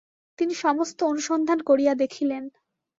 তিনি সমস্ত অনুসন্ধান করিয়া দেখিলেন।